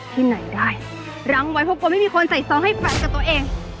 ที่ไหนได้รั้งไว้เพราะกลัวไม่มีคนใส่ซองให้แขวนกับตัวเอง